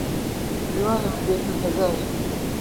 میوانم دێتن هەزار